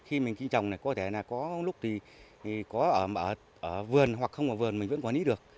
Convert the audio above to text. khi mình khi trồng này có thể là có lúc thì có ở vườn hoặc không ở vườn mình vẫn quản lý được